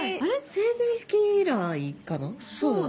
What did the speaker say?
成人式以来かな？